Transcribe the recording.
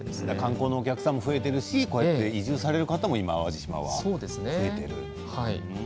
観光のお客さんも増えているし、こうやって移住される方も淡路島は今増えている。